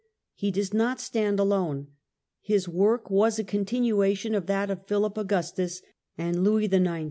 He does not stand alone; his work was a continuation of that of Philip Augustus and Louis IX.